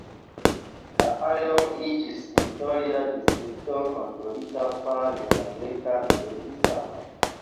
La areo iĝis historia distrikto kontrolita fare de la greka registaro.